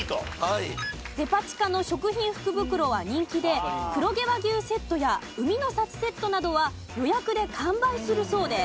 デパ地下の食品福袋は人気で黒毛和牛セットや海の幸セットなどは予約で完売するそうです。